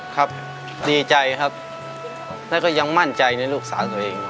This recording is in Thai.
ครับดีใจครับแล้วก็ยังมั่นใจในลูกสาวตัวเอง